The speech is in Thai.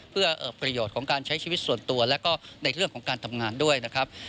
เพื่อประโยชน์ของการใช้ชีวิตส่วนตัวแล้วก็ในเรื่องของการทำงานด้วยนะครับ